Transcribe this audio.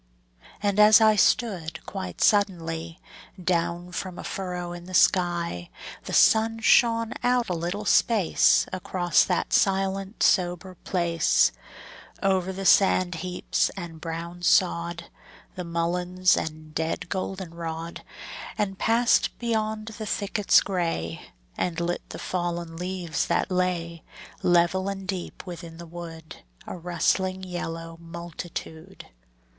And as I stood, quite suddenly, Down from a furrow in the sky The sun shone out a little space Across that silent sober place, Over the sand heaps and brown sod, The mulleins and dead goldenrod, And passed beyond the thickets gray, And lit the fallen leaves that lay, Level and deep within the wood, A rustling yellow multitude.